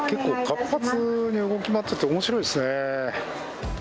結構、活発に動き回ってて、おもしろいですね。